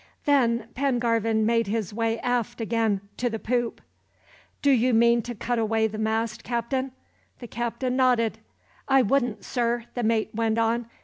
Then Pengarvan made his way aft again to the poop. "Do you mean to cut away the mast, Captain?" The captain nodded. "I wouldn't, sir," the mate went on.